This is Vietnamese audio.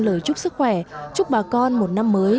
lời chúc sức khỏe chúc bà con một năm mới